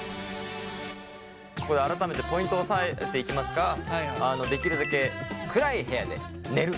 ここで改めてポイントをおさえていきますができるだけ暗い部屋で寝る！